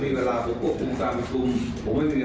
แต่ผมไม่ได้สนใจถึงขนาดโสดเกลือสุดอ่ะ